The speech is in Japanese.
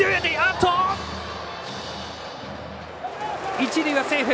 一塁はセーフ。